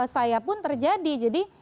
saya pun terjadi jadi